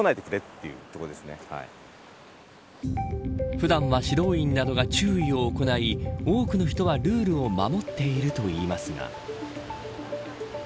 普段は指導員などが注意を行い多くの人はルールを守っているといいますが。